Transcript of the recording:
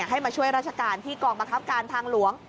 ให้มาช่วยราชการที่กองบังคับการทางหลวง